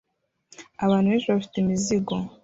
Abantu benshi bafite imizigo